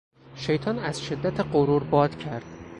شیطان از شدت غرور باد کرد.